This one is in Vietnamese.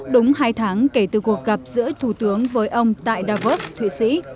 đúng hai tháng kể từ cuộc gặp giữa thủ tướng với ông tại davos thụy sĩ